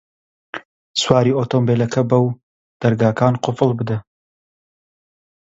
سواری ئۆتۆمبێلەکە بە و دەرگاکان قوفڵ بدە.